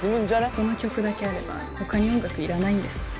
この曲だけあれば他に音楽いらないんです